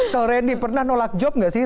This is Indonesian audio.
kalau randy pernah nolak job gak sih